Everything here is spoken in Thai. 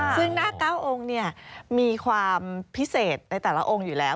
ซึ่งหน้า๙องค์มีความพิเศษในแต่ละองค์อยู่แล้ว